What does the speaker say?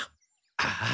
ああ。